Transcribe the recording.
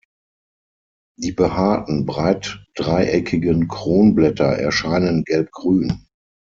Die behaarten, breit dreieckigen Kronblätter erscheinen gelbgrün.